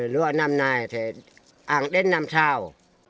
lúa năm nay thì ăn đến năm sau